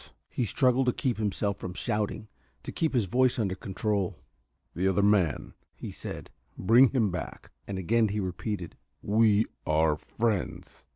He struggled to keep himself from shouting, to keep his voice under control. "The other man," he said, "bring him back." And again he repeated: "We are friends."